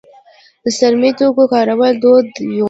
د څرمي توکو کارول دود و